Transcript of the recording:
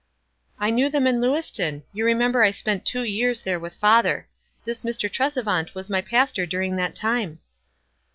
" I knew them in Lewiston. You remember I spent two years there with father. This Mr. Tresevant was my pastor during that time."